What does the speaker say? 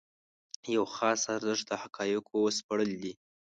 یو خاص ارزښت د حقایقو سپړل دي.